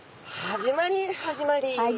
始まり始まり。